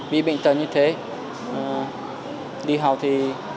bị bệnh tật như thế đi học thì